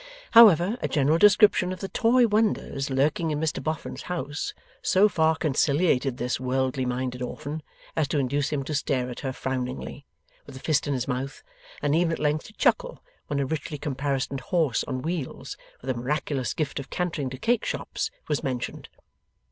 However, a general description of the toy wonders lurking in Mr Boffin's house, so far conciliated this worldly minded orphan as to induce him to stare at her frowningly, with a fist in his mouth, and even at length to chuckle when a richly caparisoned horse on wheels, with a miraculous gift of cantering to cake shops, was mentioned.